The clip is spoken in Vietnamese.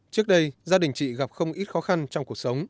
trước đây gia đình chị gặp không ít khó khăn trong cuộc sống